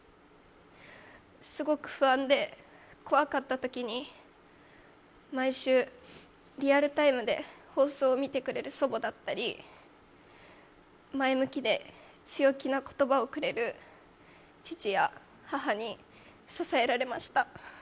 すごく不安で怖かったときに、毎週、リアルタイムで放送を見てくれる祖母だったり、前向きで強気な言葉をくれる父や母に支えられました。